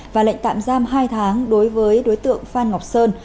và lệnh tạm giam hai tháng đối với đối tượng phan ngọc sơn